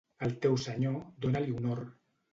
Al teu senyor, dona-li honor.